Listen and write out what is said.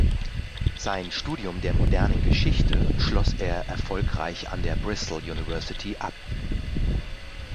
Sein Studium der modernen Geschichte schloss er erfolgreich an der Bristol University ab.